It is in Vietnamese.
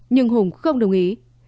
nhưng hùng không đồng ý